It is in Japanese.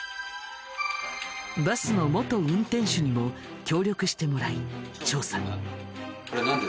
バスの元運転手にも協力してもらい調査。